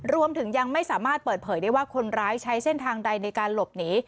ยังไม่สามารถเปิดเผยได้ว่าคนร้ายใช้เส้นทางใดในการหลบหนี